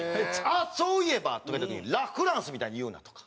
「あっそういえば」とか言うた時に「ラ・フランスみたいに言うな！」とか。